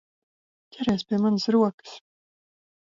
Ķeries pie manas rokas!